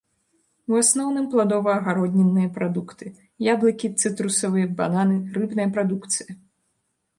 У асноўным, пладова-агароднінныя прадукты, яблыкі, цытрусавыя, бананы, рыбная прадукцыя.